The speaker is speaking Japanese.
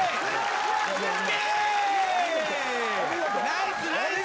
ナイスナイス！